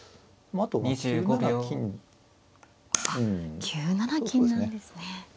あっ９七金なんですね。